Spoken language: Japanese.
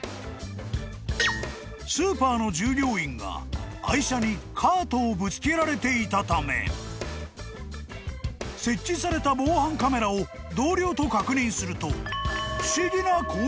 ［スーパーの従業員が愛車にカートをぶつけられていたため設置された防犯カメラを同僚と確認すると］